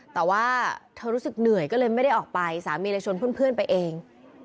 แต่ว่าเธอรู้สึกเหนื่อยก็เลยไม่ได้ออกไปสามีเลยชวนเพื่อนไปเอง